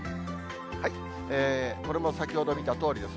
これも先ほど見たとおりです。